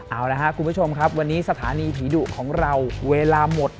เอาละครับคุณผู้ชมครับวันนี้สถานีผีดุของเราเวลาหมด